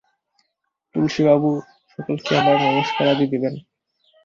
তুলসী বাবু প্রভৃতি সকলকে আমার নমস্কারাদি দিবেন।